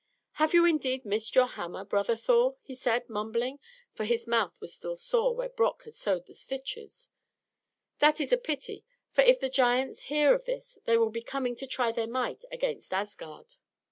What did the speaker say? "Have you indeed missed your hammer, brother Thor?" he said, mumbling, for his mouth was still sore where Brock had sewed the stitches. "That is a pity; for if the giants hear of this, they will be coming to try their might against Asgard."